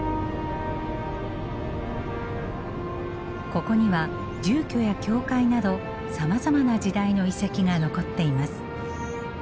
ここには住居や教会などさまざまな時代の遺跡が残っています。